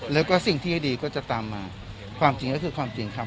แล้วก็สิ่งที่ดีก็จะตามมาความจริงก็คือความจริงครับ